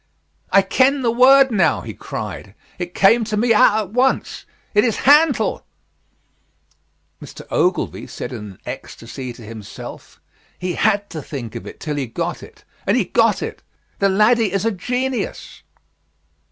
"I ken the word now," he cried, "it came to me a' at once; it is hantle!" Mr. Ogilvy ... said in an ecstasy to himself, "He had to think of it till he got it and he got it. The laddie is a genius!"